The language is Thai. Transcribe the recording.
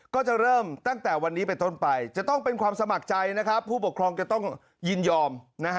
ก็จะเริ่มตั้งแต่วันนี้เป็นต้นไปจะต้องเป็นความสมัครใจนะครับผู้ปกครองจะต้องยินยอม